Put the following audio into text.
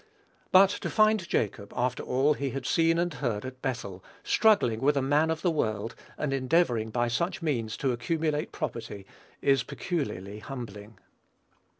But to find Jacob, after all he had seen and heard at Bethel, struggling with a man of the world, and endeavoring by such means to accumulate property, is peculiarly humbling.